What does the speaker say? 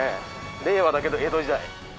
令和だけど江戸時代。